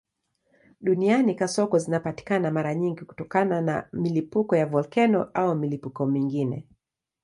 Duniani kasoko zinapatikana mara nyingi kutokana na milipuko ya volkeno au milipuko mingine.